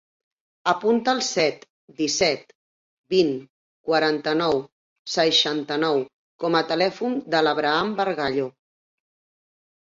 Apunta el set, disset, vint, quaranta-nou, seixanta-nou com a telèfon de l'Abraham Bargallo.